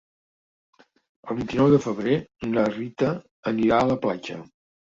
El vint-i-nou de febrer na Rita anirà a la platja.